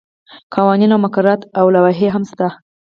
قوانین او مقررات او لوایح هم شته.